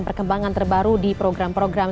perkembangan terbaru di program program